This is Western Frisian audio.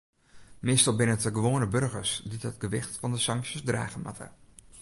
Meastal binne it de gewoane boargers dy't it gewicht fan de sanksjes drage moatte.